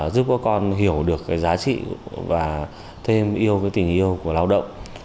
giúp các con hiểu được cái giá trị và thêm yêu tình yêu của lao động